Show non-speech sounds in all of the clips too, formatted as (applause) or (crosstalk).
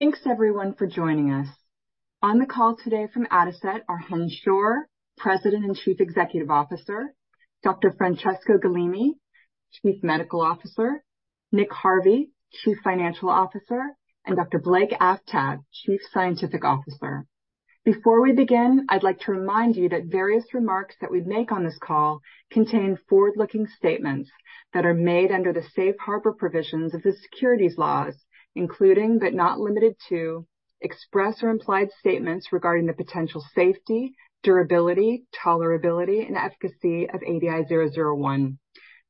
Thanks everyone for joining us. On the call today from Adicet are Chen Schor, President and Chief Executive Officer, Dr. Francesco Galimi, Chief Medical Officer, Nick Harvey, Chief Financial Officer, and Dr. Blake Aftab, Chief Scientific Officer. Before we begin, I'd like to remind you that various remarks that we make on this call contain forward-looking statements that are made under the Safe Harbor provisions of the securities laws, including, but not limited to, express or implied statements regarding the potential safety, durability, tolerability, and efficacy of ADI-001.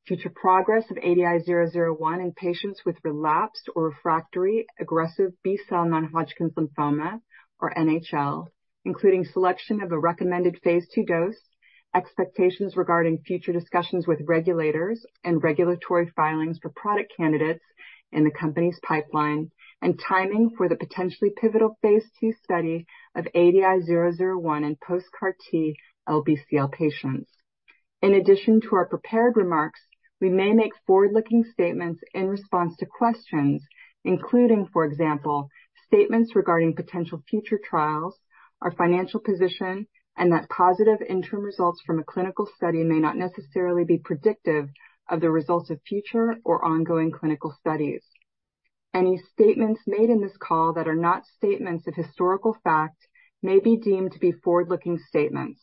Future progress of ADI-001 in patients with relapsed or refractory aggressive B-cell non-Hodgkin's lymphoma or NHL, including selection of a recommended phase II dose, expectations regarding future discussions with regulators and regulatory filings for product candidates in the company's pipeline, and timing for the potentially pivotal phase II study of ADI-001 in post-CAR T LBCL patients. In addition to our prepared remarks, we may make forward-looking statements in response to questions, including, for example, statements regarding potential future trials, our financial position, and that positive interim results from a clinical study may not necessarily be predictive of the results of future or ongoing clinical studies. Any statements made in this call that are not statements of historical fact may be deemed to be forward-looking statements.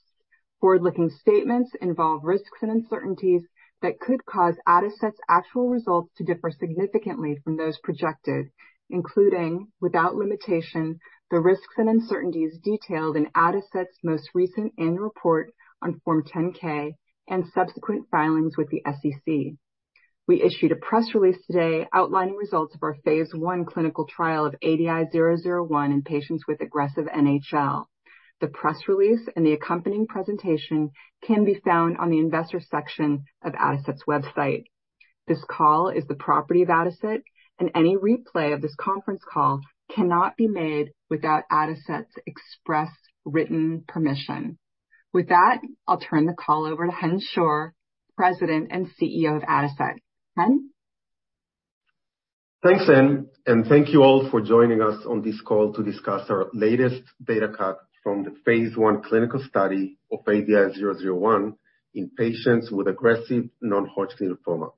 Forward-looking statements involve risks and uncertainties that could cause Adicet's actual results to differ significantly from those projected, including, without limitation, the risks and uncertainties detailed in Adicet's most recent annual report on Form 10-K and subsequent filings with the SEC. We issued a press release today outlining results of our phase I clinical trial of ADI-001 in patients with aggressive NHL. The press release and the accompanying presentation can be found on the investors section of Adicet's website. This call is the property of Adicet, and any replay of this conference call cannot be made without Adicet's express written permission. With that, I'll turn the call over to Chen Schor, President and CEO of Adicet. Chen? Thanks, Ann, thank you all for joining us on this call to discuss our latest data cut from the phase I clinical study of ADI-001 in patients with aggressive non-Hodgkin's lymphoma.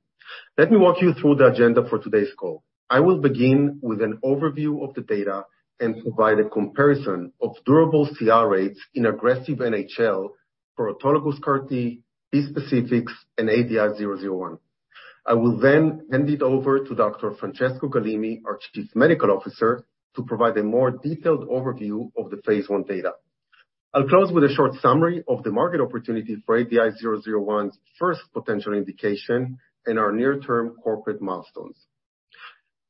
Let me walk you through the agenda for today's call. I will begin with an overview of the data and provide a comparison of durable CR rates in aggressive NHL for autologous CAR T, bispecifics, and ADI-001. I will hand it over to Dr. Francesco Galimi, our Chief Medical Officer, to provide a more detailed overview of the phase I data. I'll close with a short summary of the market opportunity for ADI-001's first potential indication and our near-term corporate milestones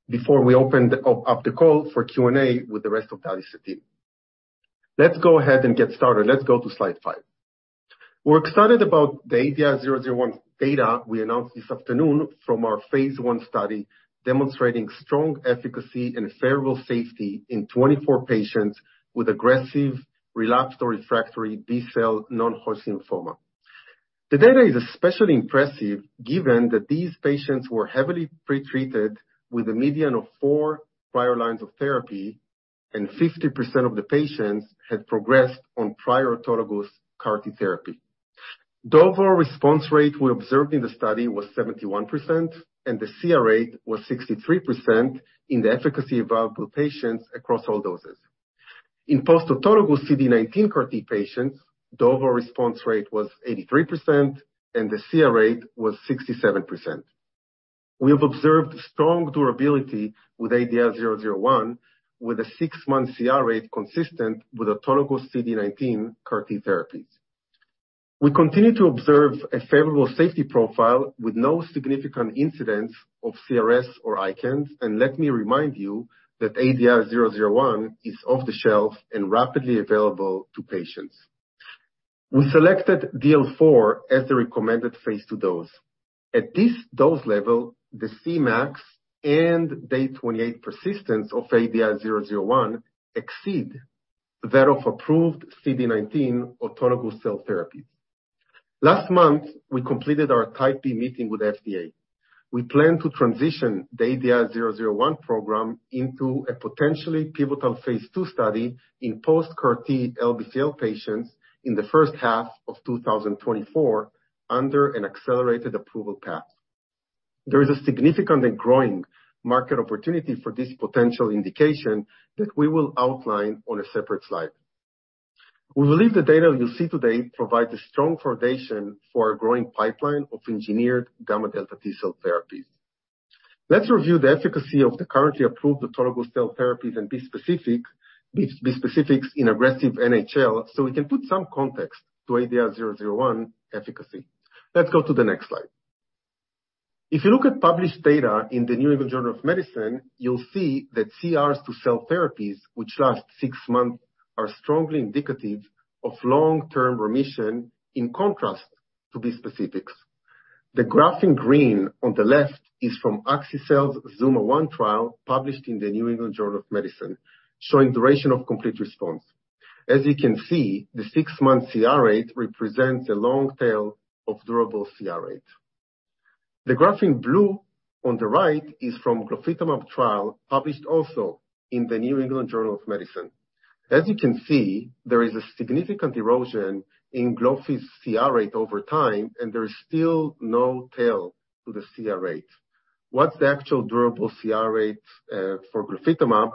before we open up the call for Q&A with the rest of the Adicet team. Let's go ahead and get started. Let's go to slide five. We're excited about the ADI-001 data we announced this afternoon from our phase I study, demonstrating strong efficacy and favorable safety in 24 patients with aggressive, relapsed, or refractory B-cell non-Hodgkin's lymphoma. The data is especially impressive given that these patients were heavily pretreated with a median of 4 prior lines of therapy, and 50% of the patients had progressed on prior autologous CAR T therapy. The overall response rate we observed in the study was 71%, and the CR rate was 63% in the efficacy evaluable patients across all doses. In post-autologous CD19 CAR T patients, the overall response rate was 83%, and the CR rate was 67%. We have observed strong durability with ADI-001, with a six-month CR rate consistent with autologous CD19 CAR T therapies. We continue to observe a favorable safety profile with no significant incidents of CRS or ICANS. Let me remind you that ADI-001 is off the shelf and rapidly available to patients. We selected DL4 as the recommended phase II dose. At this dose level, the Cmax and day 28 persistence of ADI-001 exceed that of approved CD19 autologous cell therapies. Last month, we completed our Type B meeting with FDA. We plan to transition the ADI-001 program into a potentially pivotal phase II study in post-CAR T LBCL patients in the first half of 2024, under an accelerated approval path. There is a significant and growing market opportunity for this potential indication that we will outline on a separate slide. We believe the data you'll see today provides a strong foundation for our growing pipeline of engineered gamma delta T-cell therapies. Let's review the efficacy of the currently approved autologous cell therapies and bispecifics in aggressive NHL, so we can put some context to ADI-001 efficacy. Let's go to the next slide. If you look at published data in the New England Journal of Medicine, you'll see that CRs to cell therapies which last 6 months, are strongly indicative of long-term remission, in contrast to bispecifics. The graph in green on the left is from axi-cel's ZUMA-1 trial, published in the New England Journal of Medicine, showing duration of complete response. As you can see, the six-month CR rate represents a long tail of durable CR rate. The graph in blue on the right is from Glofitamab trial, published also in the New England Journal of Medicine. As you can see, there is a significant erosion in Glofitamab CR rate over time, and there is still no tail to the CR rate. What's the actual durable CR rate for Glofitamab?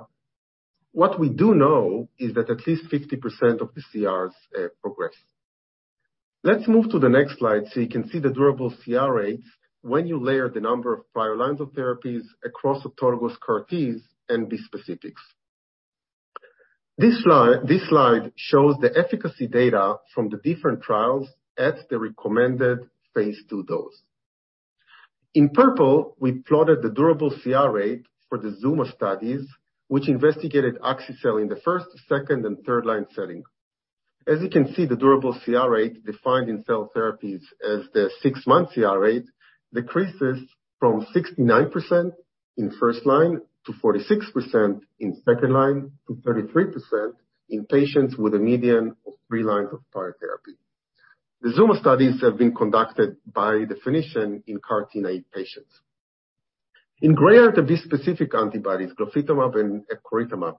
What we do know is that at least 50% of the CRs progress. Let's move to the next slide, so you can see the durable CR rates when you layer the number of prior lines of therapies across autologous CAR-Ts and bispecifics. This slide shows the efficacy data from the different trials at the recommended phase II dose. In purple, we plotted the durable CR rate for the ZUMA studies, which investigated axi-cel in the first, second, and third line setting. As you can see, the durable CR rate, defined in cell therapies as the six-month CR rate, decreases from 69% in first line, to 46% in second line, to 33% in patients with a median of three lines of prior therapy. The ZUMA studies have been conducted by definition in CAR T-naive patients. In gray are the bispecific antibodies, Glofitamab and Epcoritamab.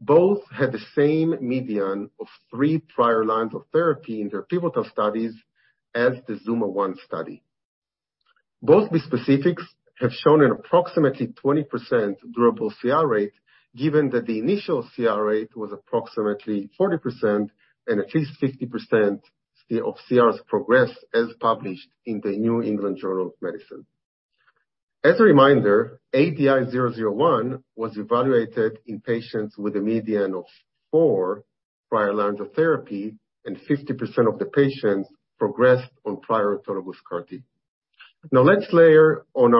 Both had the same median of three prior lines of therapy in their pivotal studies, as the ZUMA-1 study. Both bispecifics have shown an approximately 20% durable CR rate, given that the initial CR rate was approximately 40%, and at least 50% still of CRs progress, as published in the New England Journal of Medicine. As a reminder, ADI-001 was evaluated in patients with a median of four prior lines of therapy, and 50% of the patients progressed on prior autologous CAR-T. Let's layer on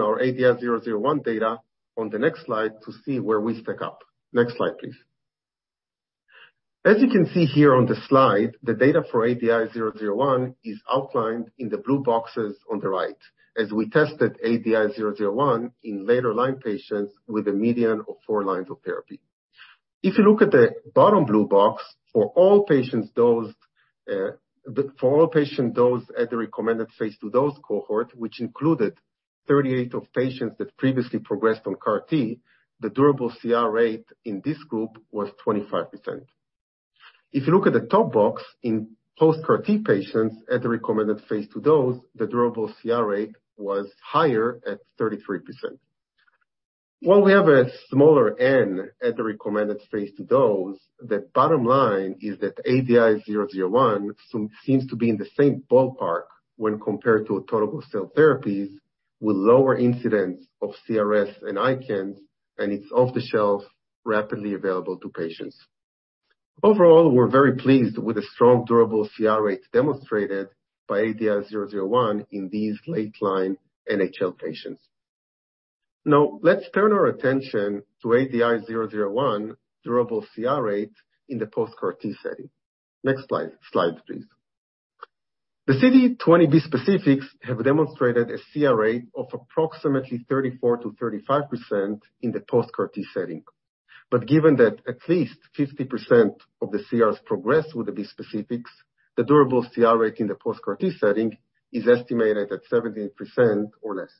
our ADI-001 data on the next slide to see where we stack up. Next slide, please. As you can see here on the slide, the data for ADI-001 is outlined in the blue boxes on the right, as we tested ADI-001 in later line patients with a median of four lines of therapy. If you look at the bottom blue box, for all patients dosed, for all patients dosed at the recommended phase II dose cohort, which included 38 of patients that previously progressed on CAR-T, the durable CR rate in this group was 25%. If you look at the top box, in post-CAR T patients at the recommended phase II dose, the durable CR rate was higher at 33%. While we have a smaller N at the recommended phase II dose, the bottom line is that ADI-001 seems to be in the same ballpark when compared to autologous cell therapies, with lower incidents of CRS and ICANS, and it's off-the-shelf, rapidly available to patients. Overall, we're very pleased with the strong, durable CR rate demonstrated by ADI-001 in these late-line NHL patients. Now, let's turn our attention to ADI-001 durable CR rate in the post-CAR T setting. Next slide please. The CD20 bispecifics have demonstrated a CR rate of approximately 34%-35% in the post-CAR T setting. Given that at least 50% of the CRs progress with the bispecifics, the durable CR rate in the post-CAR T setting is estimated at 17% or less.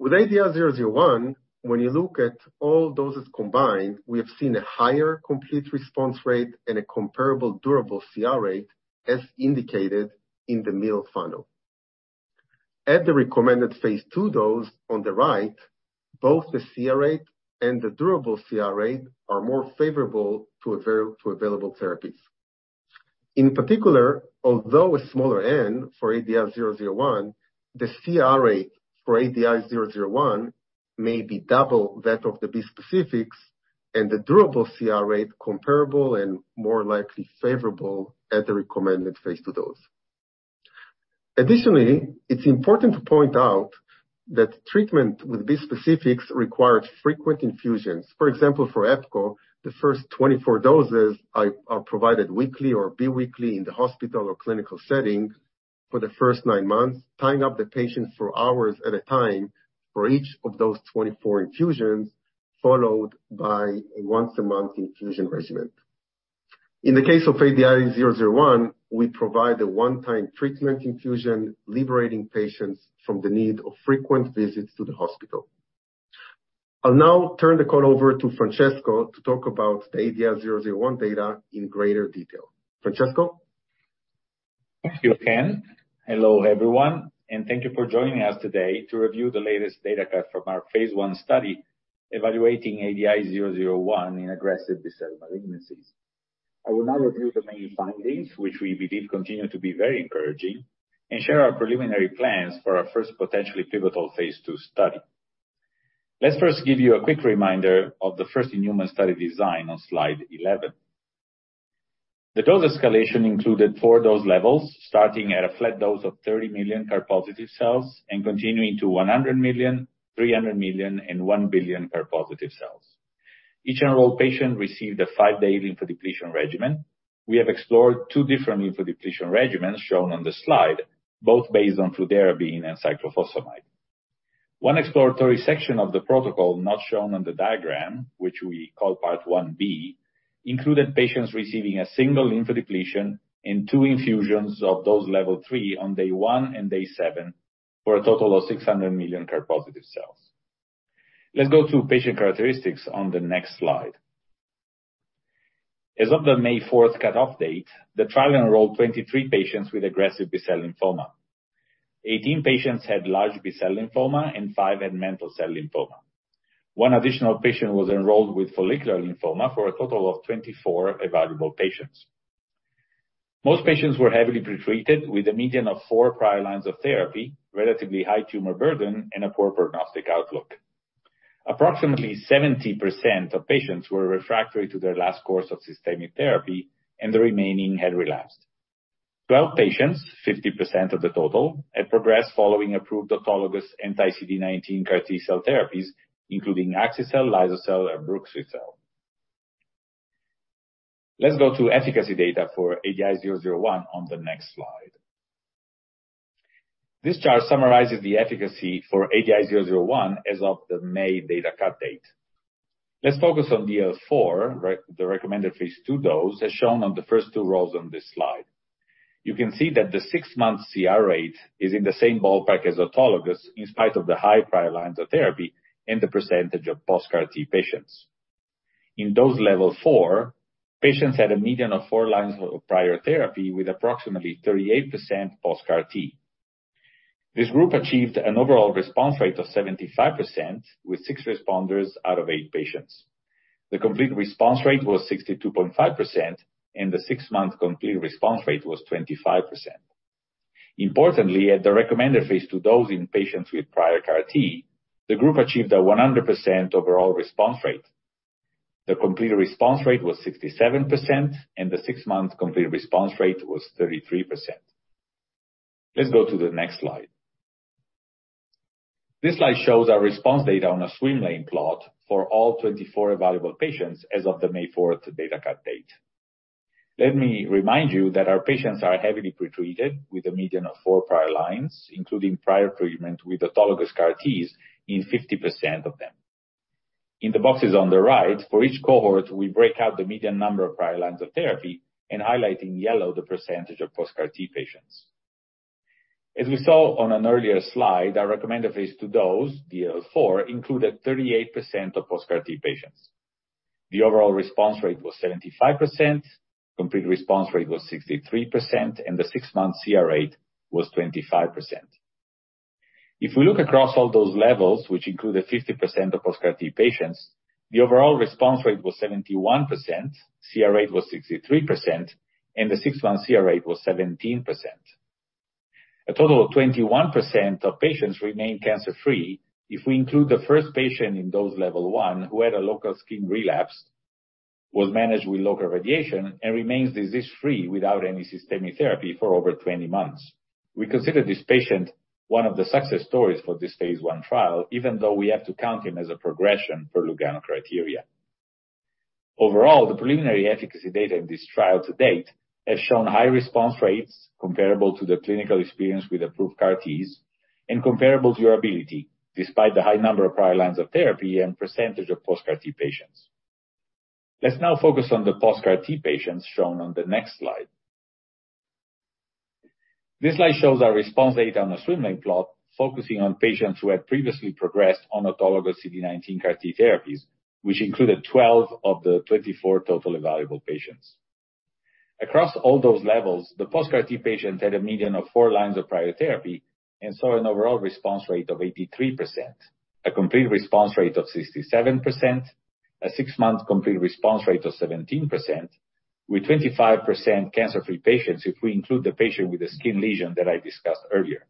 With ADI-001, when you look at all doses combined, we have seen a higher complete response rate and a comparable durable CR rate, as indicated in the middle funnel. At the recommended phase II dose on the right, both the CR rate and the durable CR rate are more favorable to available therapies. In particular, although a smaller N for ADI-001, the CR rate for ADI-001 may be double that of the bispecifics, and the durable CR rate comparable, and more likely favorable at the recommended phase II dose. Additionally, it's important to point out that treatment with bispecifics required frequent infusions. For example, for EPCO, the first 24 doses are provided weekly or bi-weekly in the hospital or clinical setting for the first nine months, tying up the patient for hours at a time for each of those 24 infusions, followed by a once-a-month infusion regimen. In the case of ADI-001, we provide a one-time treatment infusion, liberating patients from the need of frequent visits to the hospital. I'll now turn the call over to Francesco to talk about the ADI-001 data in greater detail. Francesco? Thank you, Chen. Hello, everyone, and thank you for joining us today to review the latest data from our phase I study, evaluating ADI-001 in aggressive B-cell malignancies. I will now review the main findings, which we believe continue to be very encouraging, and share our preliminary plans for our first potentially pivotal phase II study. Let's first give you a quick reminder of the first in-human study design on Slide 11. The dose escalation included 4 dose levels, starting at a flat dose of 30 million CAR-positive cells, and continuing to 100 million, 300 million, and 1 billion CAR-positive cells. Each enrolled patient received a five-day lymphodepletion regimen. We have explored two different lymphodepletion regimens, shown on the slide, both based on fludarabine and cyclophosphamide. One exploratory section of the protocol, not shown on the diagram, which we call Part 1B, included patients receiving a single lymphodepletion and two infusions of dose level 3 on Day one and Day seven, for a total of 600 million CAR-positive cells. Let's go to patient characteristics on the next slide. As of the May 4th cutoff date, the trial enrolled 23 patients with aggressive B-cell lymphoma. 18 patients had large B-cell lymphoma, and five had mantle cell lymphoma. one additional patient was enrolled with follicular lymphoma, for a total of 24 evaluable patients. Most patients were heavily pre-treated with a median of four prior lines of therapy, relatively high tumor burden, and a poor prognostic outlook. Approximately 70% of patients were refractory to their last course of systemic therapy, and the remaining had relapsed. 12 patients, 50% of the total, had progressed following approved autologous anti-CD19 CAR T-cell therapies, including axi-cel, lisocabtagene maraleucel, and brexucabtagene autoleucel. Go to efficacy data for ADI-001 on the next slide. This chart summarizes the efficacy for ADI-001 as of the May data cut date. Focus on DL4, the recommended phase II dose, as shown on the first two rows on this slide. You can see that the six-month CR rate is in the same ballpark as autologous, in spite of the high prior lines of therapy and the percentage of post-CAR T patients. In dose level 4, patients had a median of four lines of prior therapy, with approximately 38% post-CAR T. This group achieved an overall response rate of 75%, with six responders out of eight patients. The complete response rate was 62.5%, and the six-month complete response rate was 25%. Importantly, at the recommended phase II dose in patients with prior CAR T, the group achieved a 100% overall response rate. The complete response rate was 67%, and the six-month complete response rate was 33%. Let's go to the next slide. This slide shows our response data on a swim lane plot for all 24 evaluable patients as of the May 4 data cut date. Let me remind you that our patients are heavily pre-treated with a median of four prior lines, including prior treatment with autologous CAR Ts in 50% of them. In the boxes on the right, for each cohort, we break out the median number of prior lines of therapy and highlight in yellow, the percentage of post-CAR T patients. As we saw on an earlier slide, our recommended phase II dose, DL4, included 38% of post-CAR T patients. The overall response rate was 75%, complete response rate was 63%, and the 6-month CR rate was 25%. If we look across all those levels, which included 50% of post-CAR T patients, the overall response rate was 71%, CR rate was 63%, and the 6-month CR rate was 17%. A total of 21% of patients remain cancer-free if we include the first patient in dose level 1, who had a local skin relapse, was managed with local radiation, and remains disease-free without any systemic therapy for over 20 months. We consider this patient one of the success stories for this phase I trial, even though we have to count him as a progression for Lugano criteria. Overall, the preliminary efficacy data in this trial to date has shown high response rates comparable to the clinical experience with approved CAR Ts and comparable durability, despite the high number of prior lines of therapy and percentage of post-CAR T patients. Let's now focus on the post-CAR T patients shown on the next slide. This slide shows our response data on a swim lane plot, focusing on patients who had previously progressed on autologous CD19 CAR T therapies, which included 12 of the 24 total evaluable patients. Across all those levels, the post-CAR T patients had a median of four lines of prior therapy and saw an overall response rate of 83%, a complete response rate of 67%, a six-month complete response rate of 17%, with 25% cancer-free patients, if we include the patient with a skin lesion that I discussed earlier.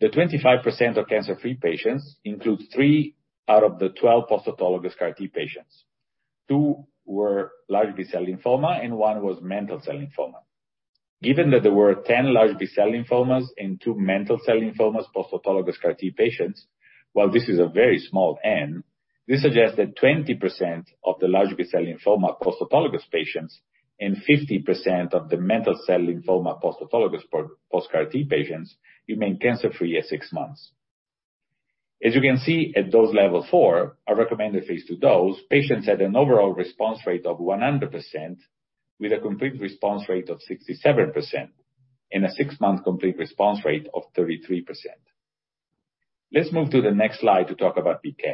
The 25% of cancer-free patients includes three out of the 12 post-autologous CAR T patients. Two were large B-cell lymphoma and one was mantle cell lymphoma. Given that there were 10 large B-cell lymphomas and two mantle cell lymphomas post-autologous CAR T patients, while this is a very small N, this suggests that 20% of the large B-cell lymphoma post-autologous patients and 50% of the mantle cell lymphoma post-autologous post-CAR T patients remain cancer-free at six months. As you can see, at dose level 4, our recommended phase II dose, patients had an overall response rate of 100%, with a complete response rate of 67% and a six-month complete response rate of 33%. Let's move to the next slide to talk about PK.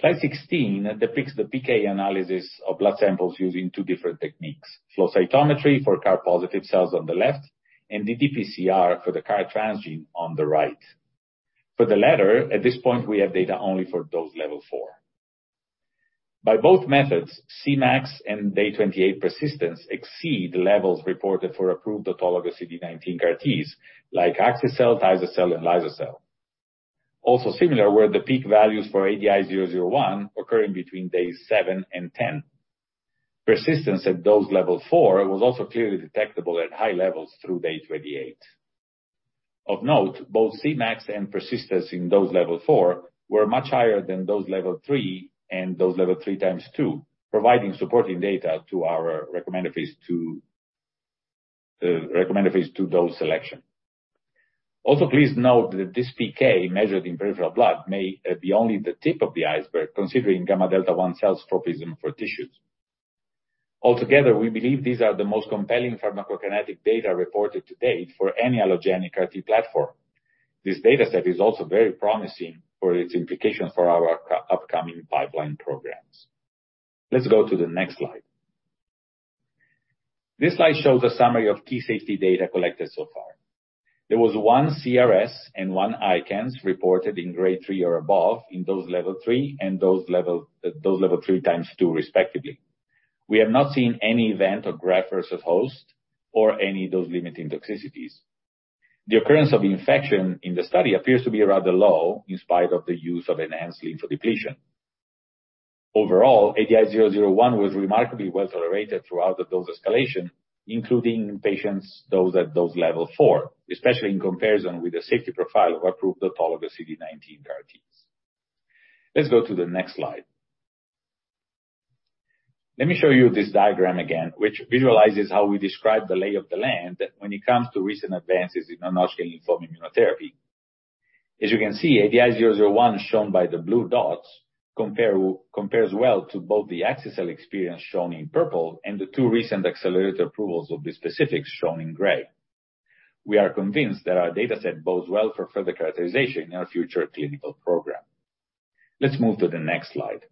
Slide 16 depicts the PK analysis of blood samples using two different techniques: flow cytometry for CAR-positive cells on the left, and the dPCR for the CAR transgene on the right. For the latter, at this point, we have data only for dose level 4. By both methods, Cmax and day 28 persistence exceed the levels reported for approved autologous CD19 CAR Ts, like axi-cel, tisagenlecleucel, and lisocabtagene maraleucel. Also similar were the peak values for ADI-001, occurring between days seven and 10. Persistence at dose level 4 was also clearly detectable at high levels through day 28. Of note, both Cmax and persistence in dose level four4 were much higher than dose level 3 and dose level 3 times 2, providing supporting data to our recommended phase II dose selection. Please note that this PK, measured in peripheral blood, may be only the tip of the iceberg, considering gamma delta 1 T cells tropism for tissues. Altogether, we believe these are the most compelling pharmacokinetic data reported to date for any allogeneic CAR T platform. This data set is also very promising for its implications for our upcoming pipeline programs. Let's go to the next slide. This slide shows a summary of key safety data collected so far. There was one CRS and one ICANS reported in grade three or above in dose level 3, and dose level 3 times 2, respectively. We have not seen any event of graft-versus-host or any dose-limiting toxicities. The occurrence of infection in the study appears to be rather low, in spite of the use of enhanced lymphodepletion. Overall, ADI-001 was remarkably well tolerated throughout the dose escalation, including patients dosed at dose level 4 especially in comparison with the safety profile of approved autologous CD19 CAR-Ts. Let's go to the next slide. Let me show you this diagram again, which visualizes how we describe the lay of the land when it comes to recent advances in non-Hodgkin's lymphoma immunotherapy. As you can see, ADI-001, shown by the blue dots, compares well to both the axi-cel experience shown in purple and the two recent accelerated approvals of bispecifics shown in gray. We are convinced that our data set bodes well for further characterization in our future clinical program. Let's move to the next slide.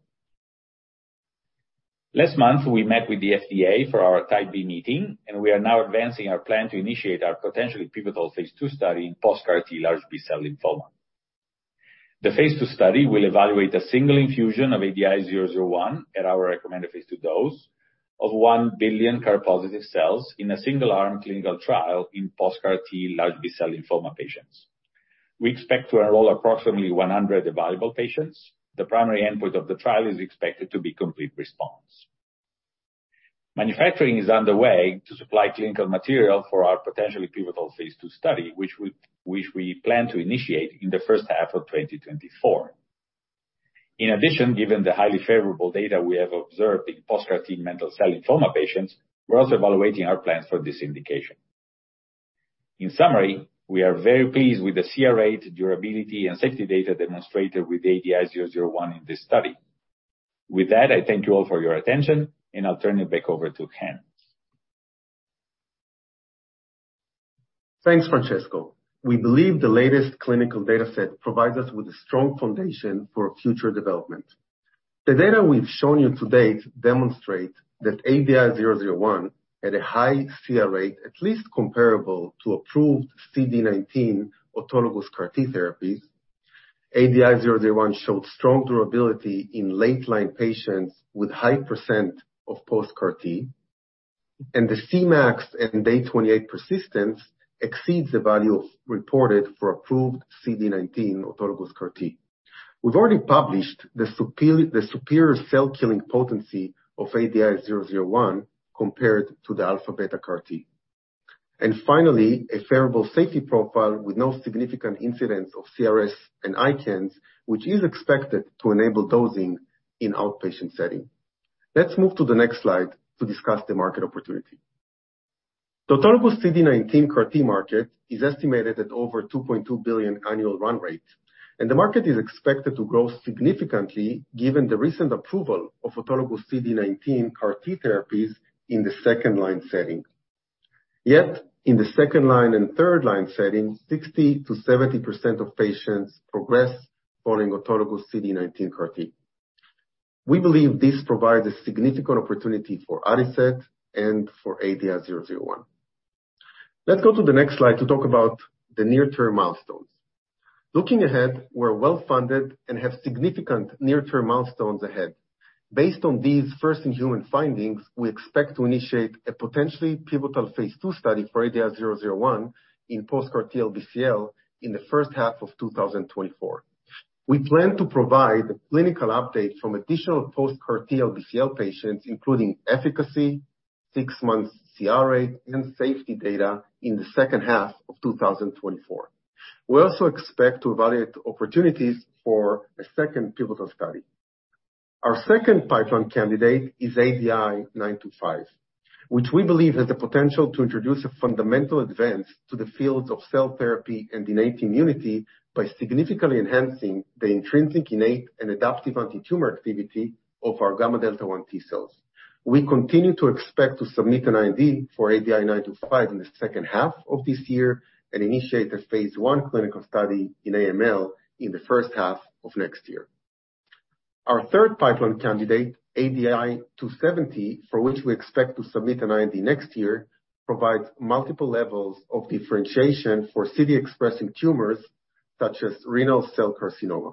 Last month, we met with the FDA for our Type B meeting, and we are now advancing our plan to initiate our potentially pivotal phase II study in post-CAR T large B-cell lymphoma. The phase II study will evaluate a single infusion of ADI-001 at our recommended phase II dose of 1 billion CAR-positive cells in a single arm clinical trial in post-CAR T large B-cell lymphoma patients. We expect to enroll approximately 100 evaluable patients. The primary endpoint of the trial is expected to be complete response. Manufacturing is underway to supply clinical material for our potentially pivotal phase II study, which we plan to initiate in the first half of 2024. In addition, given the highly favorable data we have observed in post-CAR T mantle cell lymphoma patients, we're also evaluating our plans for this indication. In summary, we are very pleased with the CR rate, durability, and safety data demonstrated with ADI-001 in this study. With that, I thank you all for your attention, and I'll turn it back over to Chen. Thanks, Francesco. We believe the latest clinical data set provides us with a strong foundation for future development. The data we've shown you today demonstrate that ADI-001, at a high CR rate, at least comparable to approved CD19 autologous CAR T therapies. ADI-001 showed strong durability in late-line patients with high percent of post-CAR T, and the Cmax and day 28 persistence exceeds the value of reported for approved CD19 autologous CAR T. We've already published the superior cell-killing potency of ADI-001 compared to the Alpha Beta CAR-T. Finally, a favorable safety profile with no significant incidents of CRS and ICANS, which is expected to enable dosing in outpatient setting. Let's move to the next slide to discuss the market opportunity. The autologous CD19 CAR T market is estimated at over $2.2 billion annual run rate. The market is expected to grow significantly, given the recent approval of autologous CD19 CAR T therapies in the second-line setting. In the second-line and third-line setting, 60%-70% of patients progress following autologous CD19 CAR T. We believe this provides a significant opportunity for Adicet and for ADI-001. Let's go to the next slide to talk about the near-term milestones. Looking ahead, we're well-funded and have significant near-term milestones ahead. Based on these first-in-human findings, we expect to initiate a potentially pivotal phase II study for ADI-001 in post-CAR T LBCL in the first half of 2024. We plan to provide a clinical update from additional post-CAR T LBCL patients, including efficacy, six months CR rate, and safety data in the second half of 2024. We also expect to evaluate opportunities for a second pivotal study. Our second pipeline candidate is ADI-925, which we believe has the potential to introduce a fundamental advance to the fields of cell therapy and innate immunity, by significantly enhancing the intrinsic, innate, and adaptive antitumor activity of our gamma delta 1 T cells. We continue to expect to submit an IND for ADI-925 in the second half of this year, and initiate the phase I clinical study in AML in the first half of next year. Our third pipeline candidate, ADI-270, for which we expect to submit an IND next year, provides multiple levels of differentiation for CD-expressing tumors, such as renal cell carcinoma.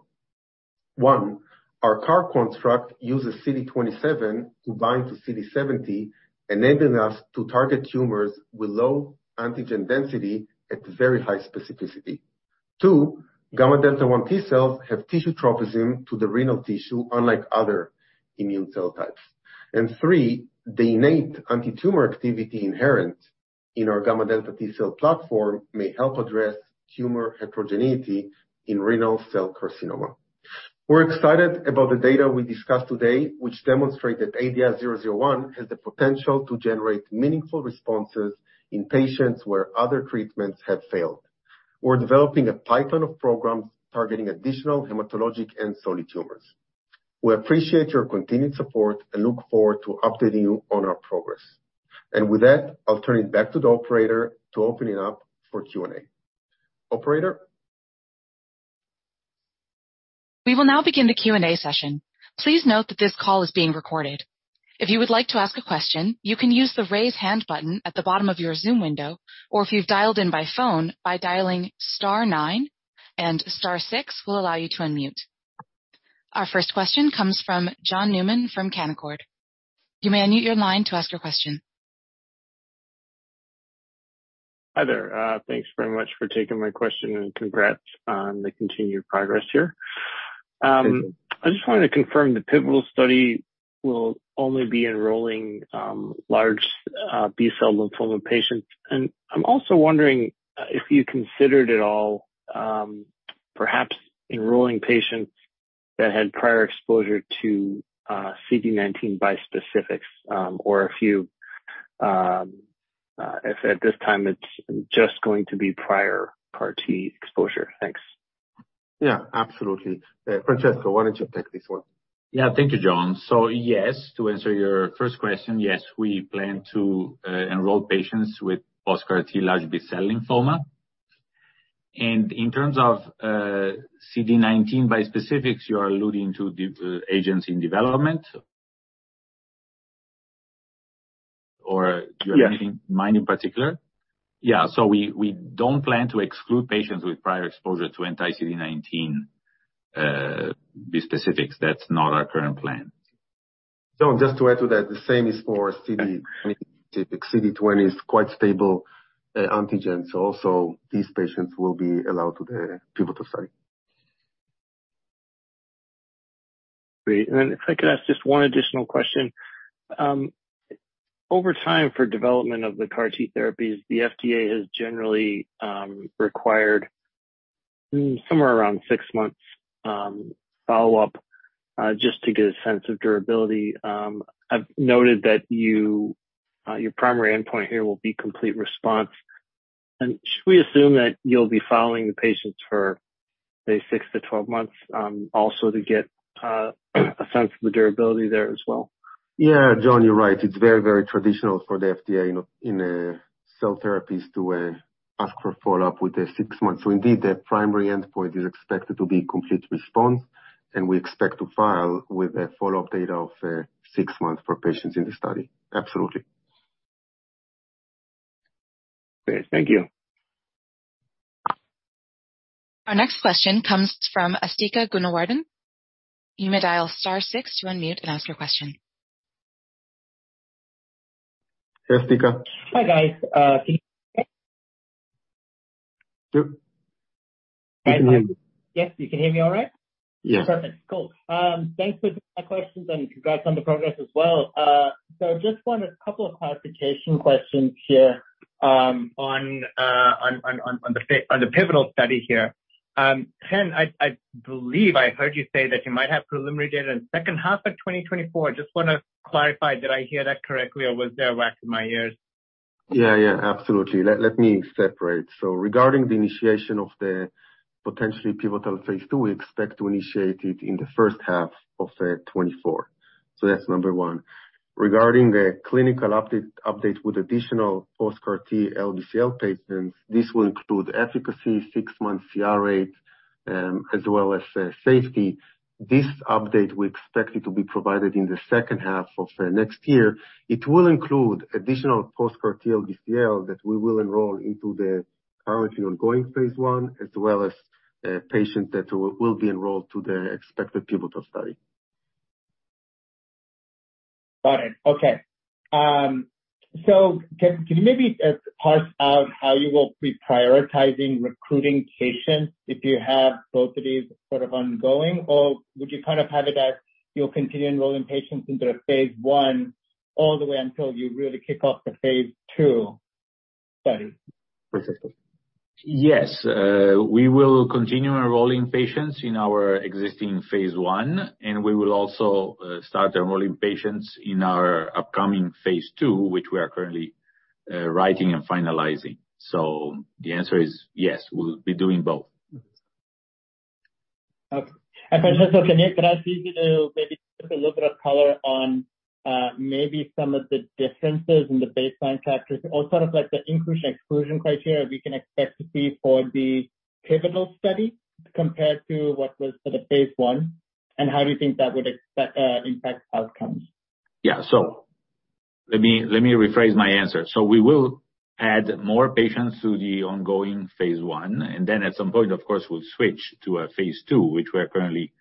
One, our CAR construct uses CD27 to bind to CD70, enabling us to target tumors with low antigen density at very high specificity. Two, Gamma Delta 1 T cells have tissue tropism to the renal tissue, unlike other immune cell types. Three, the innate antitumor activity inherent in our gamma delta T cell platform may help address tumor heterogeneity in renal cell carcinoma. We're excited about the data we discussed today, which demonstrate that ADI-001 has the potential to generate meaningful responses in patients where other treatments have failed. We're developing a pipeline of programs targeting additional hematologic and solid tumors. We appreciate your continued support, and look forward to updating you on our progress. With that, I'll turn it back to the Operator to open it up for Q&A. Operator? We will now begin the Q&A session. Please note that this call is being recorded. If you would like to ask a question, you can use the Raise Hand button at the bottom of your Zoom window, or if you've dialed in by phone, by dialing star nine, and star six will allow you to unmute. Our first question comes from John Newman from Canaccord. You may unmute your line to ask your question. Hi there. Thanks very much for taking my question, and congrats on the continued progress here. I just wanted to confirm, the pivotal study will only be enrolling large B-cell lymphoma patients. I'm also wondering, if you considered at all, perhaps enrolling patients that had prior exposure to CD19 bispecifics, or if at this time it's just going to be prior CAR T exposure. Thanks. Yeah, absolutely. Francesco, why don't you take this one? Yeah. Thank you, John. Yes, to answer your first question, yes, we plan to enroll patients with post-CAR T large B-cell lymphoma. In terms of CD19 bispecifics, you are alluding to the agents in development? Yeah Anything in mind in particular? We don't plan to exclude patients with prior exposure to anti-CD19 bispecifics. That's not our current plan. Just to add to that, the same is for (audio distortion) is quite stable, antigen, so also these patients will be allowed to the pivotal study. Great. Then if I could ask just one additional question. Over time, for development of the CAR T therapies, the FDA has generally required somewhere around six months follow-up just to get a sense of durability. I've noted that you your primary endpoint here will be complete response. Should we assume that you'll be following the patients for say, 6-12 months also to get a sense of the durability there as well? Yeah, John, you're right. It's very, very traditional for the FDA, you know, in cell therapies to ask for follow-up with the six months. Indeed, the primary endpoint is expected to be complete response, and we expect to file with a follow-up data of six months for patients in the study. Absolutely. Great. Thank you. Our next question comes from Asthika Goonewardene. You may dial star six to unmute and ask your question. Hey, Asthika. Hi, guys. Yep. I can hear you. Yes, you can hear me all right? Yeah. Perfect. Cool. Thanks for taking my questions. Congrats on the progress as well. Just wanted a couple of clarification questions here on the pivotal study here. Chen, I believe I heard you say that you might have preliminary data in the second half of 2024. I just want to clarify, did I hear that correctly, or was there a wax in my ears? Yeah, yeah, absolutely. Let me separate. Regarding the initiation of the potentially pivotal phase II, we expect to initiate it in the first half of 2024. That's number one. Regarding the clinical update with additional post-CAR T LBCL patients, this will include efficacy, six-month CR rate, as well as safety. This update, we expect it to be provided in the second half of next year. It will include additional post-CAR T LBCL, that we will enroll into the currently ongoing phase I, as well as patients that will be enrolled to the expected pivotal study. Got it. Okay. Can you maybe, parse out how you will be prioritizing recruiting patients, if you have both of these sort of ongoing? Would you kind of have it as you'll continue enrolling patients into the phase I all the way until you really kick off the phase II study? Francesco? Yes, we will continue enrolling patients in our existing phase I, and we will also, start enrolling patients in our upcoming phase II, which we are currently, writing and finalizing. The answer is yes, we'll be doing both. Okay. Francesco, can you, can I ask you to maybe put a little bit of color on maybe some of the differences in the baseline factors, or sort of like the inclusion/exclusion criteria we can expect to see for the pivotal study, compared to what was for the Phase I, and how do you think that would impact outcomes? Yeah. Let me rephrase my answer. We will add more patients to the ongoing phase I, and then at some point, of course, we'll switch to phase II, which we are currently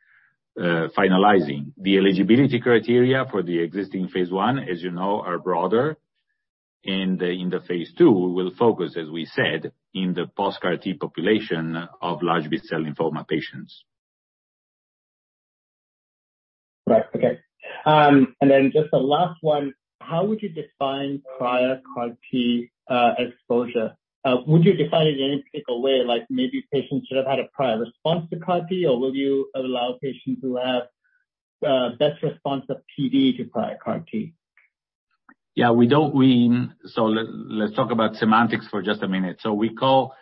finalizing. The eligibility criteria for the existing phase I, as you know, are broader. In the phase II, we'll focus, as we said, in the post-CAR T population of large B-cell lymphoma patients. Right. Okay. Just the last one, how would you define prior CAR T exposure? Would you define it in any particular way, like maybe patients should have had a prior response to CAR T, or will you allow patients who have best response of PD to prior CAR T? We, let's talk about semantics for just a minute. We call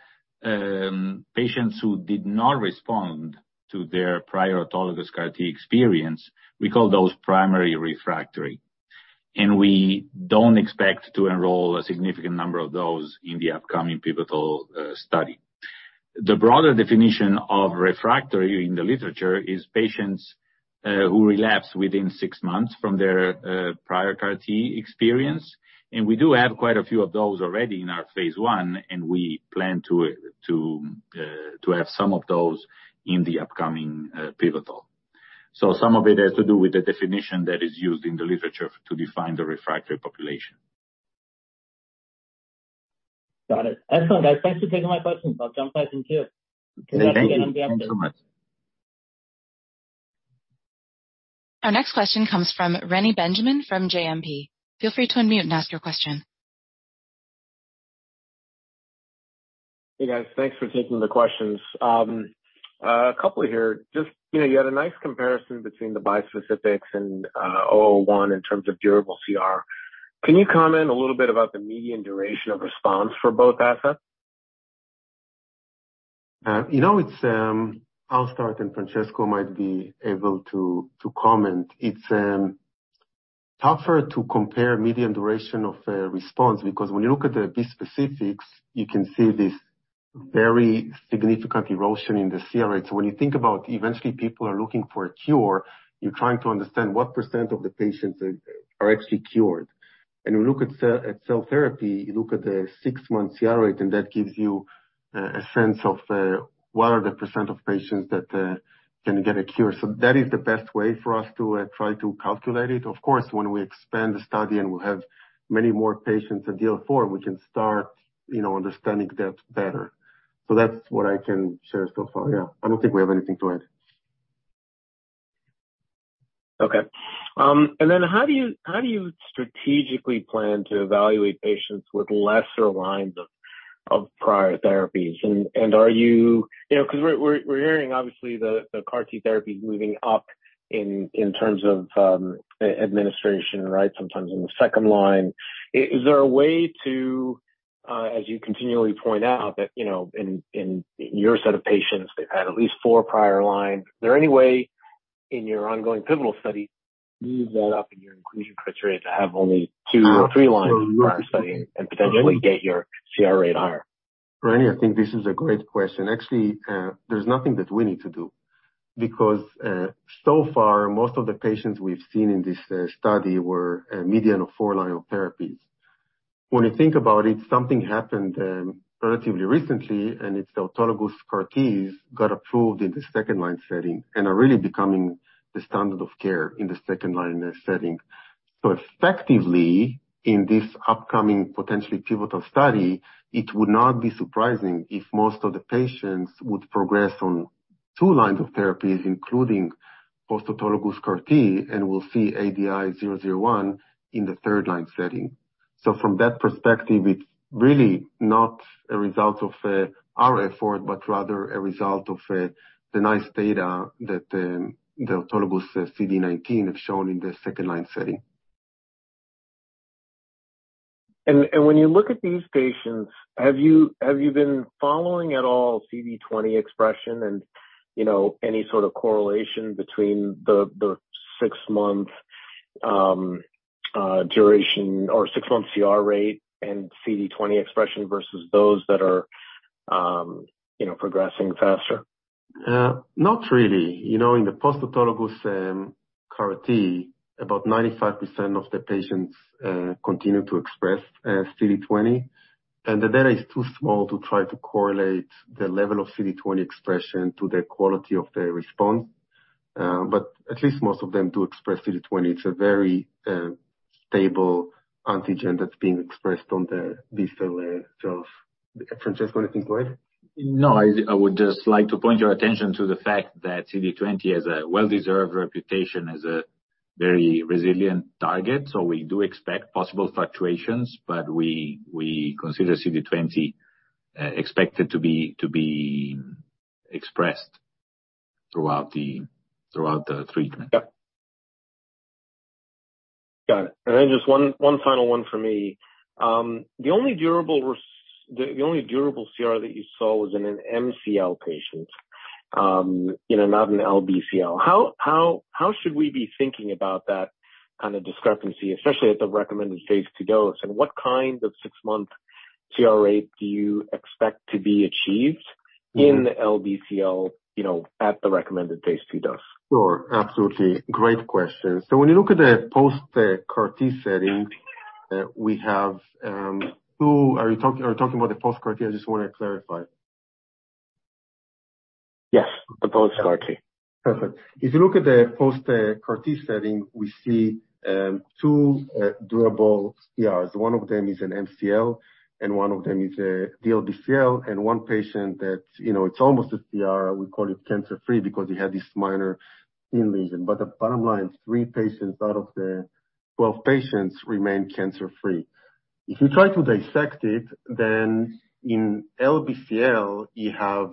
patients who did not respond to their prior autologous CAR T experience, we call those primary refractory. We don't expect to enroll a significant number of those in the upcoming pivotal study. The broader definition of refractory in the literature is patients who relapse within six months from their prior CAR T experience, we do have quite a few of those already in our phase I, we plan to have some of those in the upcoming pivotal. Some of it has to do with the definition that is used in the literature to define the refractory population. Got it. Excellent. Guys, thanks for taking my questions. I'll jump back in queue. Thank you so much. Our next question comes from Reni Benjamin, from JMP. Feel free to unmute and ask your question. Hey, guys. Thanks for taking the questions. A couple here. Just, you know, you had a nice comparison between the bispecifics and 001 in terms of durable CR. Can you comment a little bit about the median duration of response for both assets? you know, it's, I'll start, and Francesco might be able to comment. It's tougher to compare median duration of response, because when you look at the bispecifics, you can see this very significant erosion in the CR rates. When you think about eventually people are looking for a cure, you're trying to understand what percent of the patients are actually cured. You look at cell therapy, you look at the six-month CR rate, and that gives you a sense of what are the percent of patients that can get a cure. That is the best way for us to try to calculate it. Of course, when we expand the study and we'll have many more patients in DL4, we can start, you know, understanding that better. That's what I can share so far. Yeah. I don't think we have anything to add. Okay. How do you strategically plan to evaluate patients with lesser lines of prior therapies? Are you— you know, 'cause we're hearing, obviously, the CAR T therapy moving up in terms of administration, right? Sometimes in the second line. Is there a way to, as you continually point out, that, you know, in your set of patients, they've had at least four prior lines. Is there any way in your ongoing pivotal study, move that up in your inclusion criteria to have only two or three lines prior study, and potentially get your CR rate higher? Reni, I think this is a great question. Actually, there's nothing that we need to do, because, so far, most of the patients we've seen in this study were a median of four line of therapies. When you think about it, something happened relatively recently, and it's the autologous CAR T got approved in the second-line setting, and are really becoming the standard of care in the second-line setting. Effectively, in this upcoming potentially pivotal study, it would not be surprising if most of the patients would progress on two lines of therapies, including post-autologous CAR T, and we'll see ADI-001 in the third-line setting. From that perspective, it's really not a result of our effort, but rather a result of the nice data that the autologous CD19 have shown in the second-line setting. When you look at these patients, have you been following at all CD20 expression, and, you know, any sort of correlation between the six-month duration or six-month CR rate and CD20 expression, versus those that are, you know, progressing faster? Not really. You know, in the post-autologous CAR T, about 95% of the patients continue to express CD20, the data is too small to try to correlate the level of CD20 expression to the quality of the response. At least most of them do express CD20. It's a very stable antigen that's being expressed on the B-cell. Francesco, anything to add? No, I would just like to point your attention to the fact that CD20 has a well-deserved reputation as a very resilient target, we do expect possible fluctuations, but we consider CD20 expected to be expressed throughout the treatment. Yep. Got it. Just one final one for me. The only durable CR that you saw was in an MCL patient, you know, not an LBCL. How should we be thinking about that kind of discrepancy, especially at the recommended phase II dose? What kind of six-month CR rate do you expect to be achieved in LBCL, you know, at the recommended phase II dose? Sure. Absolutely. Great question. When you look at the post-CAR T setting, Are you talking about the post-CAR T? I just want to clarify. Yes, the post-CAR T. Perfect. If you look at the post-CAR T setting, we see two durable CRs. One of them is an MCL, and one of them is a DLBCL, and one patient that, you know, it's almost a CR, we call it cancer-free, because he had this minor skin lesion. The bottom line is three patients out of the 12 patients remain cancer-free. If you try to dissect it, in LBCL, you have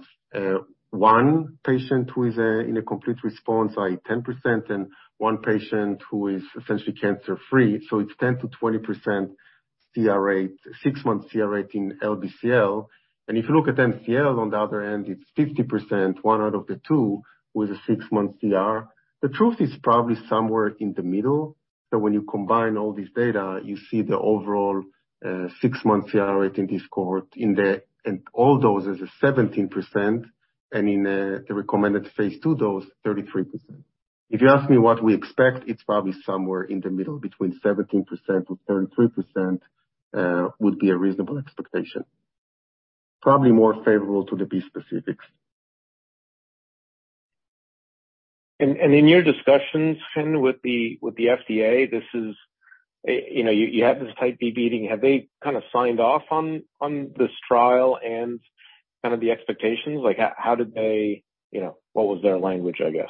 one patient who is in a complete response, i.e., 10%, and one patient who is essentially cancer-free. It's 10%-20% CR rate, six months CR rate in LBCL. If you look at MCL, on the other hand, it's 50%, one out of the two, with a six-month CR. The truth is probably somewhere in the middle, that when you combine all these data, you see the overall, six-month CR rate in this cohort, in all those, is a 17%, and in, the recommended phase II dose, 33%. If you ask me what we expect, it's probably somewhere in the middle, between 17%-33%, would be a reasonable expectation. Probably more favorable to the B specifics. In your discussions, Chen, with the FDA, this is, you know, you had this Type B meeting. Have they kind of signed off on this trial and kind of the expectations? Like, how did they, you know, what was their language, I guess?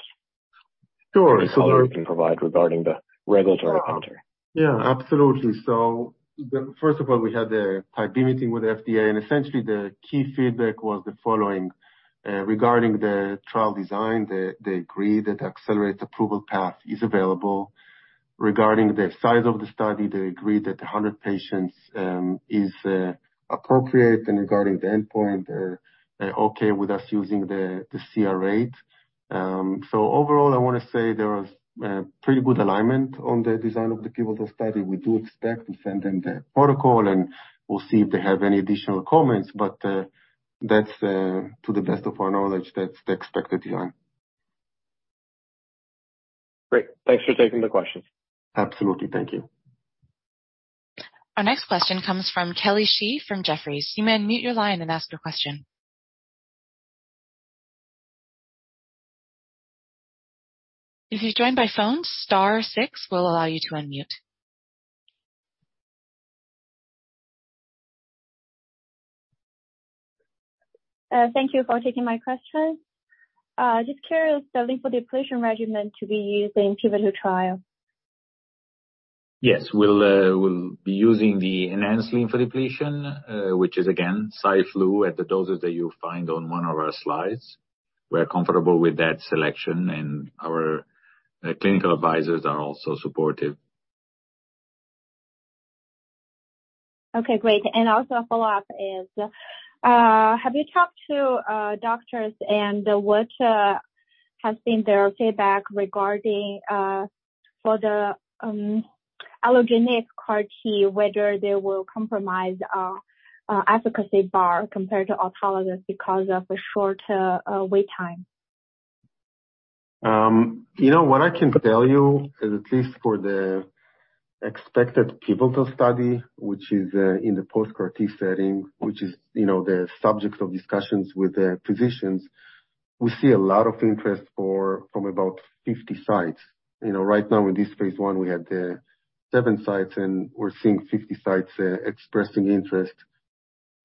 Sure. Color you can provide regarding the regulatory counter? Yeah, absolutely. First of all, we had the Type B meeting with the FDA, and essentially, the key feedback was the following: Regarding the trial design, they agreed that the accelerated approval path is available. Regarding the size of the study, they agreed that 100 patients is appropriate, and regarding the endpoint, they're okay with us using the CR rate. Overall, I want to say there was pretty good alignment on the design of the pivotal study. We do expect to send them the protocol, and we'll see if they have any additional comments, but that's to the best of our knowledge, that's the expected design. Great. Thanks for taking the question. Absolutely. Thank you. Our next question comes from Kelly Shi from Jefferies. You may unmute your line and ask your question. If you joined by phone, star six will allow you to unmute. Thank you for taking my question. Just curious, the lymphodepletion regimen to be used in pivotal trial? Yes, we'll be using the enhanced lymphodepletion, which is again, Cy/Flu, at the doses that you'll find on one of our slides. We're comfortable with that selection, and our clinical advisors are also supportive. Okay, great. Also a follow-up is, have you talked to doctors, and what has been their feedback regarding for the allogeneic CAR T, whether they will compromise efficacy bar compared to autologous because of the short wait time? You know, what I can tell you is, at least for the expected pivotal study, which is, in the post-CAR T setting, which is, you know, the subject of discussions with the physicians. We see a lot of interest for, from about 50 sites. You know, right now, in this phase I, we have seven sites, and we're seeing 50 sites expressing interest.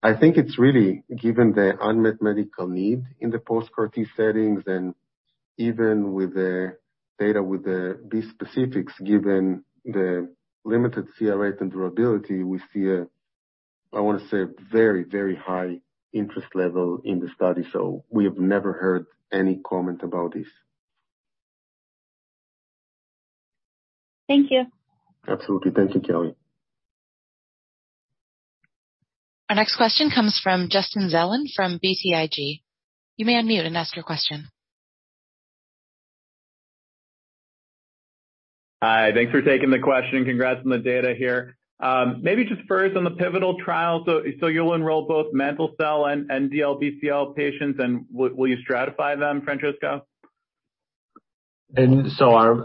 I think it's really given the unmet medical need in the post-CAR T settings, and even with the data with the B specifics, given the limited CR rate and durability, we see a, I want to say, very, very high interest level in the study. We have never heard any comment about this. Thank you. Absolutely. Thank you, Kelly. Our next question comes from Justin Zelin from BTIG. You may unmute and ask your question. Hi, thanks for taking the question, and congrats on the data here. maybe just first on the pivotal trial, you'll enroll both mantle cell and DLBCL patients, and will you stratify them, Francesco?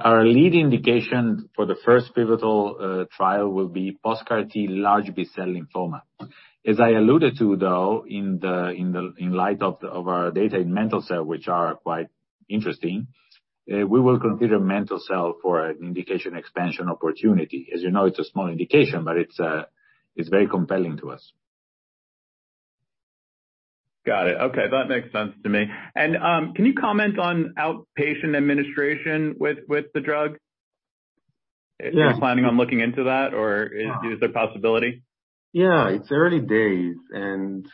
Our lead indication for the first pivotal trial will be post-CAR T large B-cell lymphoma. I alluded to, though, in light of our data in mantle cell, which are quite interesting, we will consider mantle cell for an indication expansion opportunity. You know, it's a small indication, but it's very compelling to us. Got it. Okay, that makes sense to me. Can you comment on outpatient administration with the drug? Yeah. Are you planning on looking into that, or is there a possibility? Yeah, it's early days, and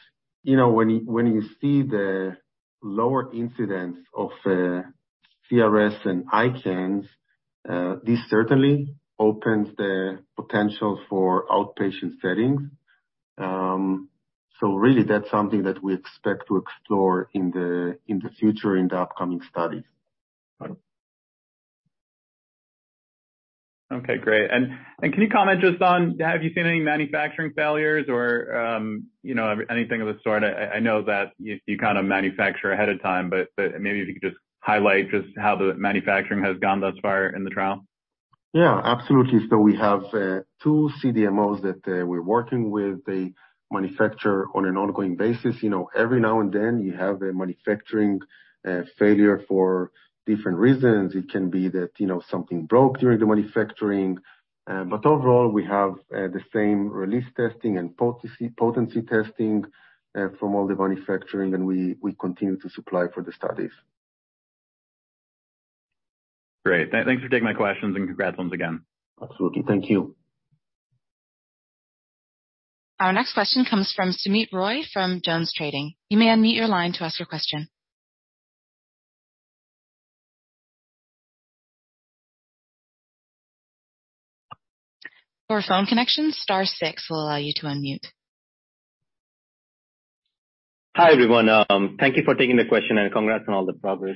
you know, when you, when you see the lower incidence of CRS and ICANS, this certainly opens the potential for outpatient settings. Really, that's something that we expect to explore in the future, in the upcoming studies. Okay, great. Can you comment just on, have you seen any manufacturing failures or, you know, anything of the sort? I know that you kind of manufacture ahead of time, but maybe if you could just highlight just how the manufacturing has gone thus far in the trial. Yeah, absolutely. We have two CDMOs that we're working with. They manufacture on an ongoing basis. You know, every now and then, you have a manufacturing failure for different reasons. It can be that, you know, something broke during the manufacturing, but overall, we have the same release testing and potency testing from all the manufacturing, and we continue to supply for the studies. Great. Thanks for taking my questions, and congrats once again. Absolutely. Thank you. Our next question comes from Soumit Roy, from Jones Trading. You may unmute your line to ask your question. For phone connections, star six will allow you to unmute. Hi, everyone. Thank you for taking the question, and congrats on all the progress.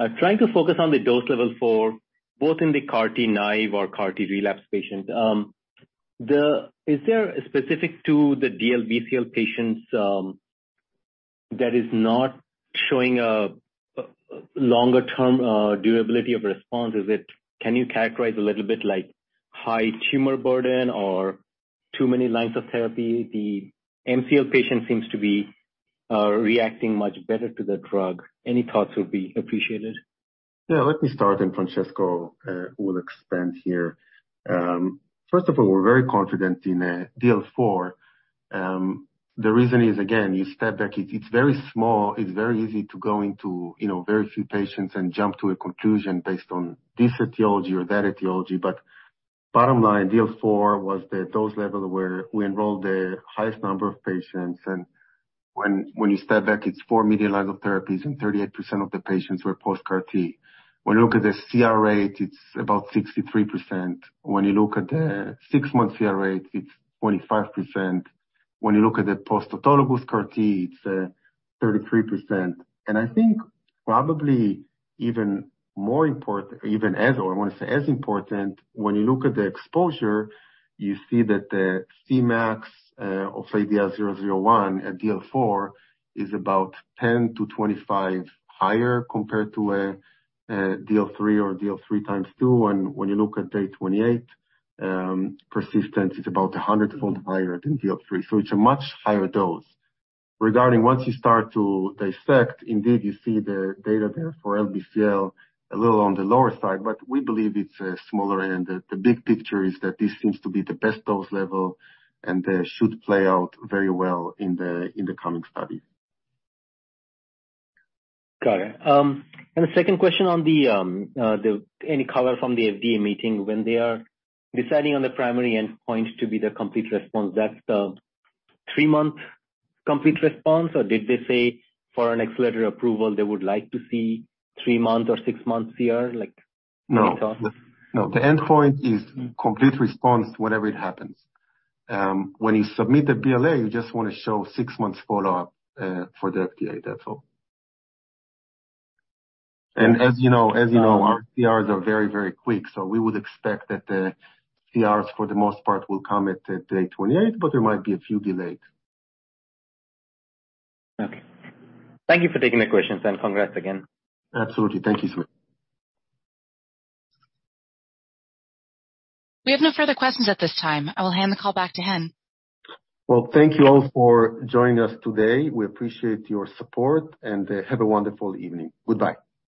I'm trying to focus on the dose level for both in the CAR T-naive or CAR T relapse patient. Is there, specific to the DLBCL patients, that is not showing a longer term durability of response, can you characterize a little bit, like, high tumor burden or too many lines of therapy? The MCL patient seems to be reacting much better to the drug. Any thoughts would be appreciated. Let me start, and Francesco will expand here. First of all, we're very confident in DL4. The reason is, again, you step back, it's very small, it's very easy to go into, you know, very few patients and jump to a conclusion based on this etiology or that etiology. Bottom line, DL4 was the dose level where we enrolled the highest number of patients, when you step back, it's four median lines of therapies, 38% of the patients were post-CAR T. You look at the CR rate, it's about 63%. You look at the six-month CR rate, it's 25%. You look at the post-autologous CAR T, it's 33%. I think probably even more important, even as, or I want to say as important, when you look at the exposure, you see that the Cmax of ADI-001 at DL4, is about 10-25 higher compared to a DL3 or DL3 x 2. When you look at day 28, persistence is about 100-fold higher than DL3, so it's a much higher dose. Regarding once you start to dissect, indeed, you see the data there for LBCL a little on the lower side, but we believe it's smaller, and the big picture is that this seems to be the best dose level, and should play out very well in the coming study. Got it. The second question on any color from the FDA meeting, when they are deciding on the primary endpoint to be the complete response, that's the three-month complete response, or did they say for an accelerated approval, they would like to see three-month or six-month CR? No. No. The endpoint is complete response, whenever it happens. When you submit the BLA, you just want to show six months follow-up for the FDA. That's all. As you know, our CRs are very, very quick, so we would expect that the CRs, for the most part, will come at day 28, but there might be a few delays. Okay. Thank you for taking the questions, and congrats again. Absolutely. Thank you, Soumit. We have no further questions at this time. I will hand the call back to Chen. Well, thank you all for joining us today. We appreciate your support, and have a wonderful evening. Goodbye.